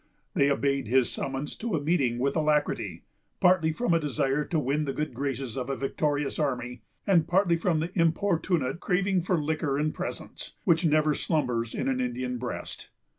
They obeyed his summons to a meeting with alacrity, partly from a desire to win the good graces of a victorious enemy, and partly from the importunate craving for liquor and presents, which never slumbers in an Indian breast.